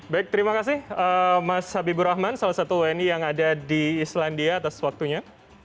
baik terima kasih mas habibur rahman salah satu wni yang ada di islandia atas waktunya